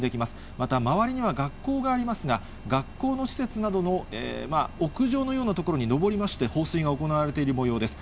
また周りには学校がありますが、学校の施設などの屋上のような所に上りまして、放水が行われているもようです。